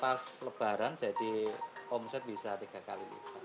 pas lebaran jadi omset bisa tiga kali lipat